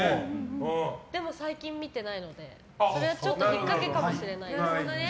でも最近見てないのでそれはちょっと引っかけかもしれないです。